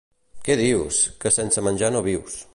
—Què dius? / —Que sense menjar no vius.